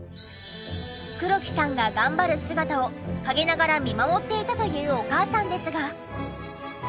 黒木さんが頑張る姿を陰ながら見守っていたというお母さんですが。